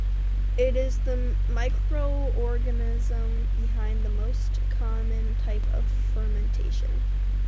It is the microorganism behind the most common type of fermentation.